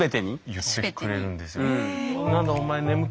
言ってくれるんですよ。